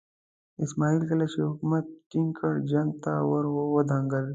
اسماعیل کله چې حکومت ټینګ کړ جنګ ته ور ودانګل.